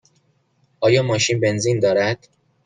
آیا ماشین بنزین دارد؟